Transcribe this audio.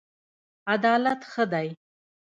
عدالت ښه دی.